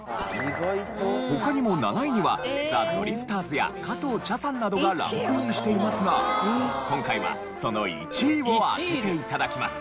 他にも７位にはザ・ドリフターズや加藤茶さんなどがランクインしていますが今回はその１位を当てて頂きます。